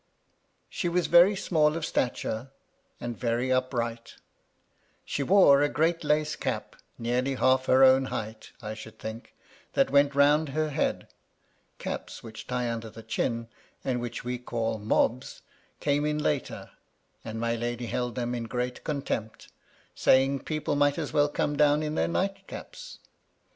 She was very small of stature, and very upright She wore a great lace cap, nearly half her own height, I should think, that went round her head (caps which tied under the chin, and which we called " mobs," came in later, and my lady held them in great contempt, saying people might as well come down in their night caps).